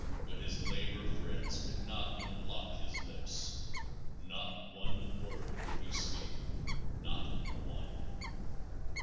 But his labor friends could not unlock his lips. Not one word would he speak. Not one.